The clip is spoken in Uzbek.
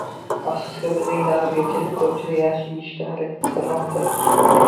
Afsuski, bizning davrga kelib ko‘pchilik yaxshi yeyishga harakat qilmoqda.